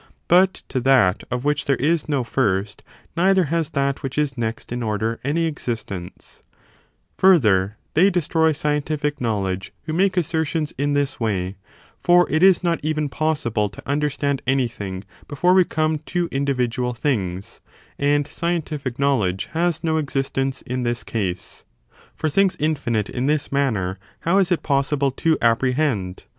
But to that of which there is no first, neither has that which is next in order any existence. Further, they destroy scientific knowledge who ^,..^. 1 1l • xi_ • 1? x •?®* T" theory make assertions m this way; for it is not even of infinite pro possible to understand anything before we come f^ertumTh^^* 'to individual things; and scientific knowledge possibmtyof has no existence, in this case : for things infinite, ^^*' in this manner, how is it possible to apprehend?